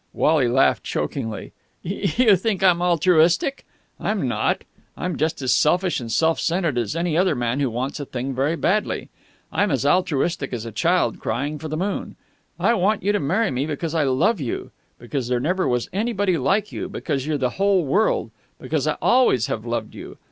Wally laughed chokingly. "You think I'm altruistic? I'm not. I'm just as selfish and self centred as any other man who wants a thing very badly. I'm as altruistic as a child crying for the moon. I want you to marry me because I love you, because there never was anybody like you, because you're the whole world, because I always have loved you.